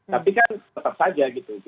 tapi kan tetap saja gitu